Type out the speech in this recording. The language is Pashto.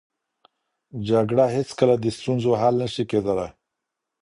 جګړه هېڅکله د ستونزو حل نه سي کېدای.